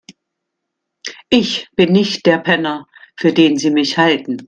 Ich bin nicht der Penner, für den Sie mich halten.